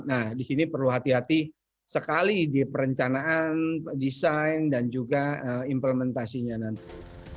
nah di sini perlu hati hati sekali di perencanaan desain dan juga implementasinya nanti